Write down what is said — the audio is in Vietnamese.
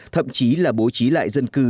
thậm chí là bố trí lại dân cư